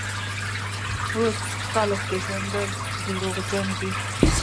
اوس یې خلک پېژني: دروغجن دی.